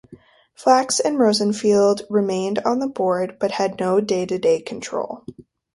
Flax and Rosenfield remained on the board, but had no day-to-day control.